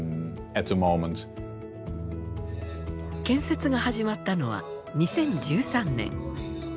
建設が始まったのは２０１３年。